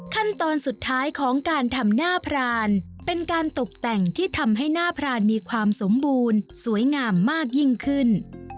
ขั้นตอนสุดท้ายของการทำหน้าพรานเป็นการตกแต่งที่ทำให้หน้าพรานมีความสมบูรณ์สวยงามมากยิ่งขึ้น